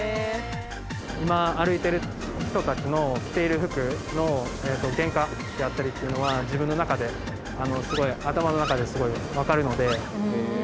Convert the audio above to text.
今歩いてる人たちの着ている服の原価であったりっていうのは自分の中ですごい頭の中ですごいわかるので。